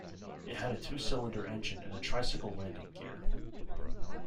It had a two-cylinder engine and tricycle landing gear.